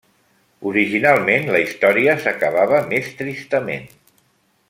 Originalment la història s'acabava més tristament.